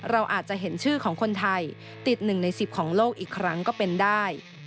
เราอาจจะเห็นชื่อของคนไทยติด๑ใน๑๐ของโลกอีกครั้งก็เป็นได้